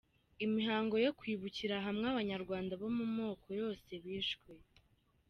mihango yo kwibukira hamwe Abanyarwanda bo mu moko yose bishwe